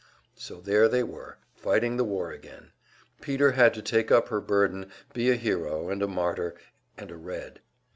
So there they were, fighting the war again; Peter had to take up her burden, be a hero, and a martyr, and a "Red."